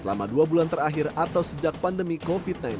selama dua bulan terakhir atau sejak pandemi covid sembilan belas